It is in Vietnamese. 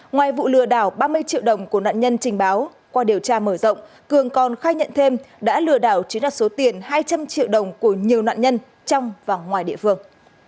ngoài vụ lừa đảo ba mươi triệu đồng của nạn nhân trình báo qua điều tra mở rộng cường còn khai nhận thêm đã lừa đảo chiếm đặt số tiền hai trăm linh triệu đồng của nhiều nạn nhân trong và ngoài địa phương